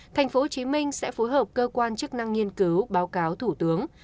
tp hcm sẽ phối hợp cơ quan chức năng nghiên cứu báo cáo thủ tướng